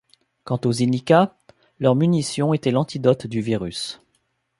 Quant aux Inika, leurs munitions étaient l'antidote du virus.